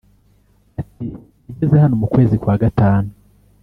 Ati “ Nageze hano mu kwezi kwa gatanu